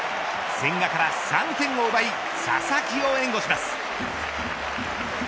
千賀から３点を奪い佐々木を援護します。